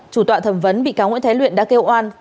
chủ tọa thẩm vấn bị cáo nguyễn thái luyện đã kêu oan